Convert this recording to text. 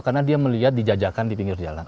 karena dia melihat dijajakan di pinggir jalan